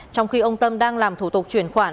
trong khi ông tâm đang làm thủ tục chuyển khoản